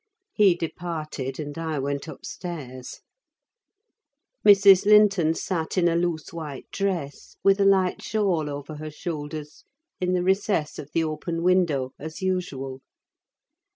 He departed, and I went upstairs. Mrs. Linton sat in a loose white dress, with a light shawl over her shoulders, in the recess of the open window, as usual.